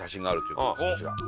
こちら」